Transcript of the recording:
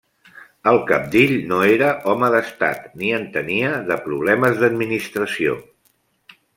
El cabdill no era home d'Estat, ni entenia de problemes d'administració.